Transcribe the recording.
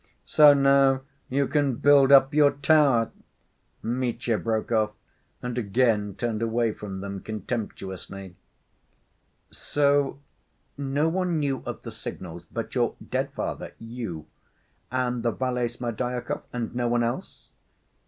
"So now you can build up your tower," Mitya broke off, and again turned away from them contemptuously. "So no one knew of the signals but your dead father, you, and the valet Smerdyakov? And no one else?"